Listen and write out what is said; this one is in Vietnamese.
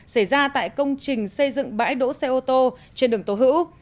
xảy ra tại công trình xây dựng bãi đỗ xe ô tô trên đường tố hữu